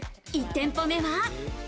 １店舗目は。